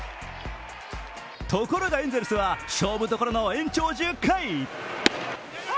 ところがエンゼルスは勝負どころの延長１０回。